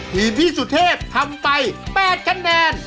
พี่สุเทพทำไป๘คะแนน